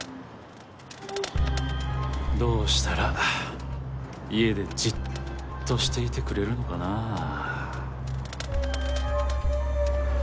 どうしたら家でじっとしていてくれるのかなあ。